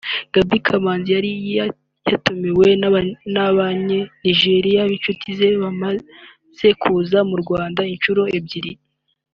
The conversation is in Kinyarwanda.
Gaby Kamanzi yari yatumiwe n’abanya Nigeria b’inshuti ze bamaze kuza mu Rwanda inshuro ebyiri